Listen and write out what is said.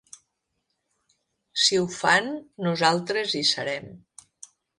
Si ho fan, nosaltres hi serem.